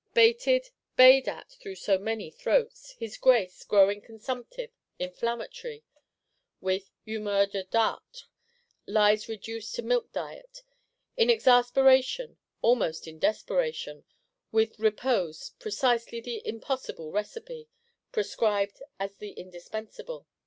Baited, bayed at through so many throats, his Grace, growing consumptive, inflammatory (with humeur de dartre), lies reduced to milk diet; in exasperation, almost in desperation; with "repose," precisely the impossible recipe, prescribed as the indispensable.